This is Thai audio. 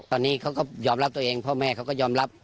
ตอนนี้เขาก็ยอมรับตัวเองพ่อแม่เขาก็ยอมรับ